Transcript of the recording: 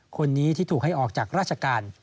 คนนี้ที่ถูกให้ออกจากราชการ